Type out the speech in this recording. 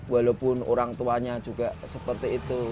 walaupun orang tuanya juga seperti itu